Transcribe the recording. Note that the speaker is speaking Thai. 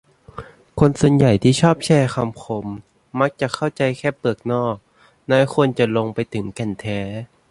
คนส่วนใหญ่ที่ชอบแชร์คำคมมักเข้าใจแค่เปลือกนอก น้อยคนจะลงไปถึงแก่นแท้